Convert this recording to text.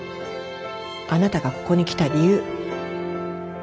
あなたがここに来た理由。